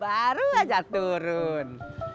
baru saja turun